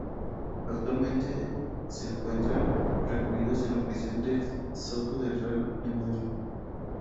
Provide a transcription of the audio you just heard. Actualmente se encuentran recluidos en la prisión de Soto del Real de Madrid.